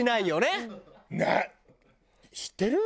知ってる？